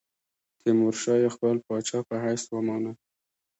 تیمورشاه یې خپل پاچا په حیث ومانه.